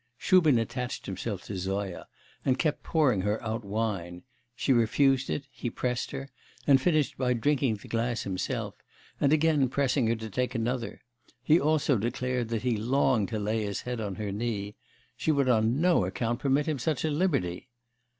Shubin attached himself to Zoya, and kept pouring her out wine; she refused it, he pressed her, and finished by drinking the glass himself, and again pressing her to take another; he also declared that he longed to lay his head on her knee; she would on no account permit him 'such a liberty.